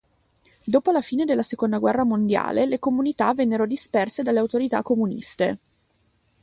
Dopo la fine della seconda guerra mondiale, le comunità vennero disperse dalle autorità comuniste.